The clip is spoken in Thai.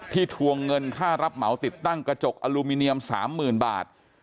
ทวงเงินค่ารับเหมาติดตั้งกระจกอลูมิเนียม๓๐๐๐บาท